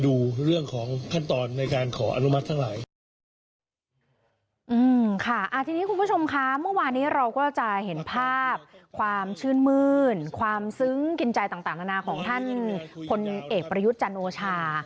อืมค่ะทีนี้คุณผู้ชมค่ะเมื่อวานนี้เราก็จะเห็นภาพความชื่นมื้นความซึ้งกินใจต่างธนาของท่านพลเอกประยุทธ์จันโลชา